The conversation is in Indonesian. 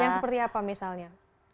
yang seperti apa misalnya